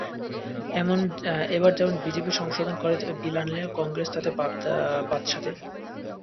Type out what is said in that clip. এবার যেমন বিজেপি সংশোধন করে বিল আনলে কংগ্রেস তাতে বাদ সাধে।